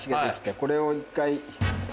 これを１回。